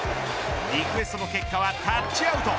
リクエストの結果はタッチアウト。